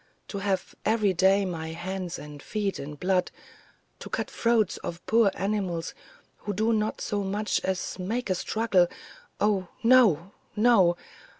To have every day my hands and feet in blood, to cut the throats of poor animals who do not so much as make a struggle oh, no, no!